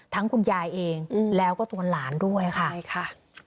ทั้งคุณยายเองแล้วก็ตัวหลานด้วยค่ะ